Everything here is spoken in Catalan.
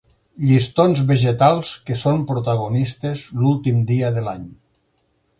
Llistons vegetals que són protagonistes l'últim dia de l'any.